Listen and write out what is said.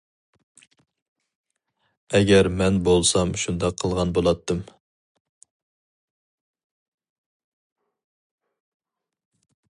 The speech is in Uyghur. ئەگەر مەن بولسام شۇنداق قىلغان بولاتتىم.